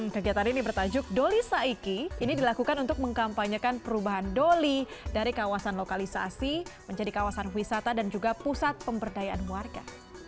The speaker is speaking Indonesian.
kegiatan ini bertajuk doli saiki ini dilakukan untuk mengkampanyekan perubahan doli dari kawasan lokalisasi menjadi kawasan wisata dan juga pusat pemberdayaan warga